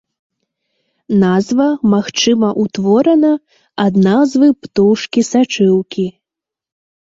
Назва, магчыма, утворана ад назвы птушкі сачыўкі.